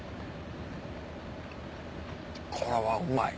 これはうまい。